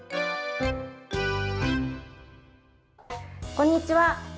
こんにちは。